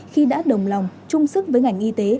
khi đã đồng lòng chung sức với ngành y tế